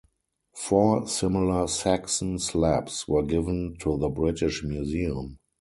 Four similar Saxon slabs were given to the British Museum.